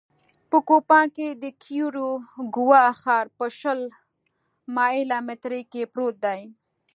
په کوپان کې د کیوریګوا ښار په شل مایله مترۍ کې پروت دی